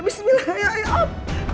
bismillah ya ya allah